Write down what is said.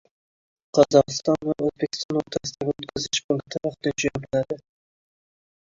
Qozog‘iston va O‘zbekiston o‘rtasidagi o‘tkazish punkti vaqtincha yopiladi